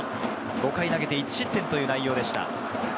５回投げて１失点という内容でした。